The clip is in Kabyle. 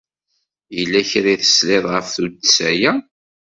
Yella kra i tesliḍ ɣef tuddsa-ya?